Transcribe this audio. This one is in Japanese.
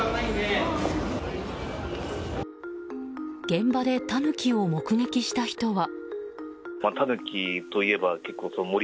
現場でタヌキを目撃した人は。